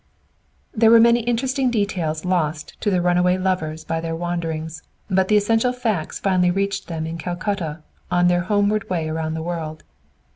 There were many interesting details lost to the runaway lovers by their wanderings, but the essential facts finally reached them in Calcutta, on their homeward way around the world.